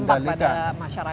yang berdampak pada masyarakat